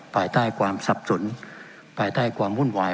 ภายใต้ความสับสนภายใต้ความวุ่นวาย